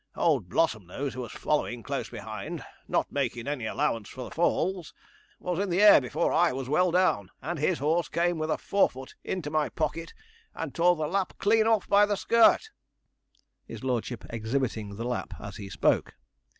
Old Blossomnose, who was following close behind, not making any allowance for falls, was in the air before I was well down, and his horse came with a forefoot, into my pocket, and tore the lap clean off by the skirt'; his lordship exhibiting the lap as he spoke.